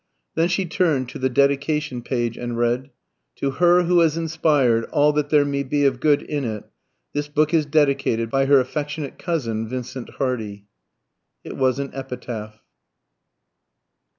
Then she turned to the dedication page, and read TO HER WHO HAS INSPIRED ALL THAT THERE MAY BE OF GOOD IN IT THIS BOOK IS DEDICATED BY HER AFFECTIONATE COUSIN, VINCENT HARDY. It was an epitaph.